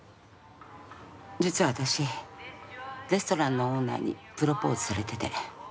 実は私レストランのオーナーにプロポーズされてて。